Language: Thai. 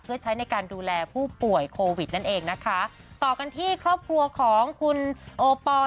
เพื่อใช้ในการดูแลผู้ป่วยโควิดนั่นเองนะคะต่อกันที่ครอบครัวของคุณโอปอล